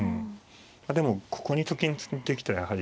でもここにと金できたらやはり。